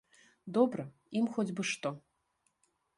Добра, ім хоць бы што.